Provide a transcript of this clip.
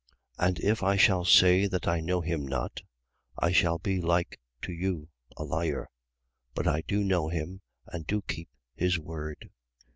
And if I shall say that I know him not, I shall be like to you, a liar. But I do know him and do keep his word.